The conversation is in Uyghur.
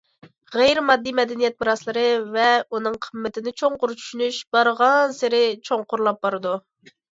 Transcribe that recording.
غەيرىي ماددىي مەدەنىيەت مىراسلىرى ۋە ئۇنىڭ قىممىتىنى چوڭقۇر چۈشىنىش بارغانسېرى چوڭقۇرلاپ بارىدۇ.